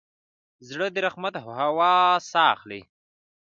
زړه د رحمت هوا ساه اخلي.